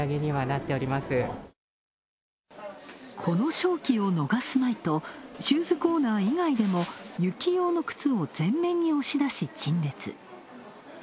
この商機を逃すまいと、シューズコーナー以外でも雪用の靴を前面に押し出し、陳列。